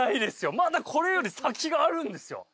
まだこれより先があるんですよ。